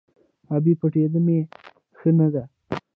– ابۍ! پټېدا مې ښه نه ده.